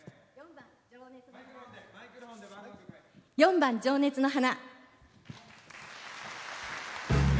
４番「情熱の花」。